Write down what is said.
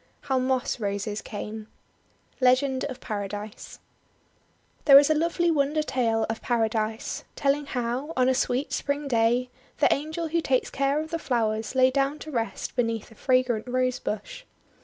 HOW MOSS ROSES CAME Legend of Paradise THERE is a lovely wonder tale of Paradise, tell ing how, on a sweet Spring day, the Angel who takes care of the flowers lay down to rest be neath a fragrant Rose Bush.